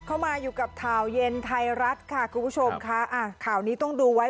เข้ามาอยู่กับข่าวเย็นไทยรัฐค่ะคุณผู้ชมค่ะอ่ะข่าวนี้ต้องดูไว้